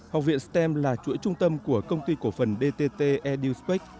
học viện stem là chuỗi trung tâm của công ty cổ phần dtt eduspec